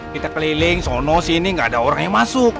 kita keliling sono sini gak ada orang yang masuk